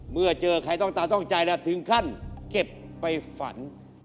เมื่อเจอใครต้องตาต้องใจแล้วถึงขั้นเก็บไปฝัน